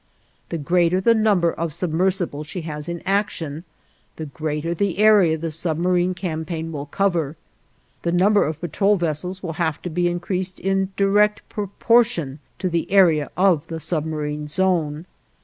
The greater the number of submersibles she has in action, the greater the area the submarine campaign will cover. The number of patrol vessels will have to be increased in direct proportion to the area of the submarine zone.